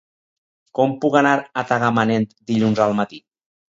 Com puc anar a Tagamanent dilluns al matí?